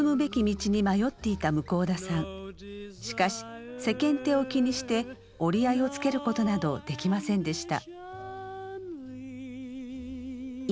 しかし世間体を気にして折り合いをつけることなどできませんでした。